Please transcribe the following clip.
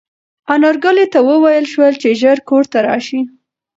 انارګل ته وویل شول چې ژر کور ته راشي.